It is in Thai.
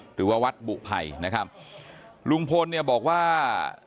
หรือว่าวัดบุภัยนะครับลุงพลเนี่ยบอกว่า